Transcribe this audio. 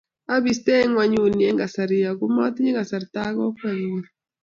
abistei ng'onyuni eng kasari ako motinye kasarta ak akwe kokeny